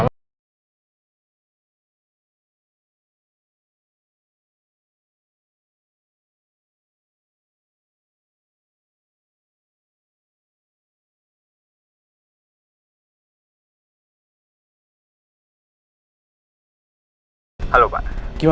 itu kan starbucks